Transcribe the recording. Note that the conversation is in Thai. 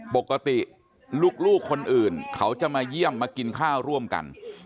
ปกติลูกคนอื่นเขาจะมาเยี่ยมมากินข้าวร่วมกัน